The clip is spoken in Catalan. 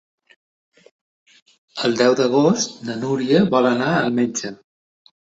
El deu d'agost na Núria vol anar al metge.